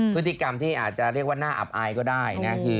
พฤติกรรมที่อาจจะเรียกว่าน่าอับอายก็ได้นะ